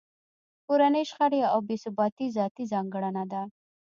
کورنۍ شخړې او بې ثباتۍ ذاتي ځانګړنه ده